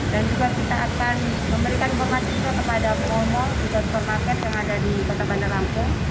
dan juga kita akan memberikan bongat itu kepada pemerintah pemerintah yang ada di kota bandar lampung